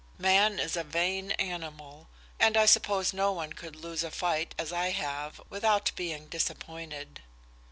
Man is a vain animal, and I suppose no one could lose a fight as I have without being disappointed."